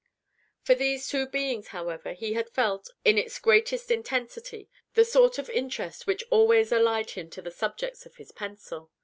For these two beings, however, he had felt, in its greatest intensity, the sort of interest which always allied him to the subjects of his pencil.